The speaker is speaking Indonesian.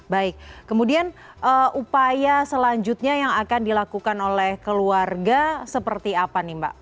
baik kemudian upaya selanjutnya yang akan dilakukan oleh keluarga seperti apa nih mbak